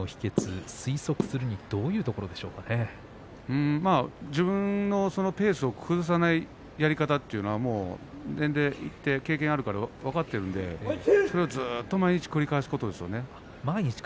若藤さんも自分のペースを崩さないやり方というのは年齢がいって経験があるので分かっているのでずっと毎日繰り返すことなんでしょうね。